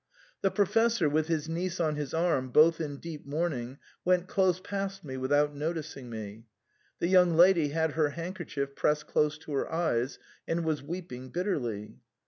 The Professor, with his niece on his arm, both in deep mourning, went close past me without noticing me. The young lady had her hand kerchief pressed close to her eyes, and was weeping bitterly.